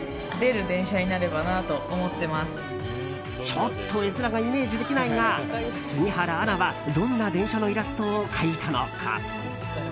ちょっと絵面がイメージできないが杉原アナはどんな電車のイラストを描いたのか。